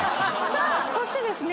さあそしてですね